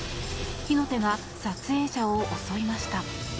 火の手が撮影者を襲いました。